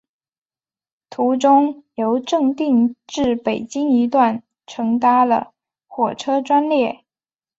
途中由正定至北京一段乘搭了火车专列。